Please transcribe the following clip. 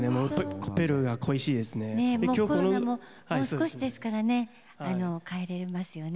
コロナももう少しですからね帰れますよね。